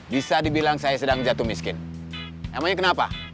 bu pakistan selamat maujan